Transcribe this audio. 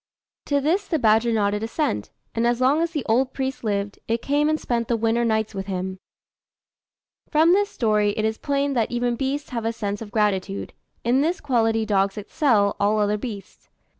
To this the badger nodded assent; and as long as the old priest lived, it came and spent the winter nights with him. From this story, it is plain that even beasts have a sense of gratitude: in this quality dogs excel all other beasts.